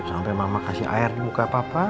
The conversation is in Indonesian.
sampai mama kasih air di muka papa